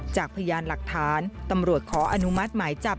จากพยานหลักฐานตำรวจขออนุมัติหมายจับ